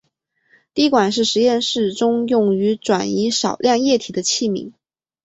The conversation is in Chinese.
滴管是实验室中用于转移少量液体的器皿。